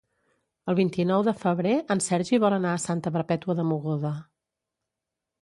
El vint-i-nou de febrer en Sergi vol anar a Santa Perpètua de Mogoda.